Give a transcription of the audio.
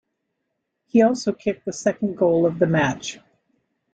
He also kicked the second goal of the match.